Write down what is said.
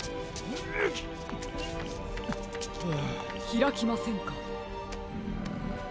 ひらきませんか。